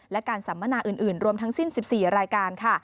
และการสัมมนาอื่นรวมทั้งสิ้น๑๔รายการค่ะ